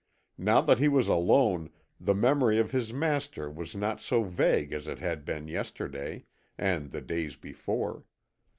Now that he was alone the memory of his master was not so vague as it had been yesterday, and the days before.